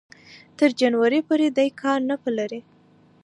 تر جنوري پورې دې کار نه پرې لري